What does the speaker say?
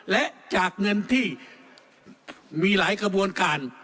และจากเงินที่มีหลายกระบวนการ